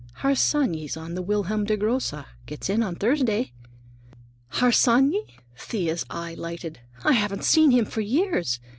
Harsanyi's on the Wilhelm der Grosse; gets in on Thursday." "Harsanyi?" Thea's eye lighted. "I haven't seen him for years.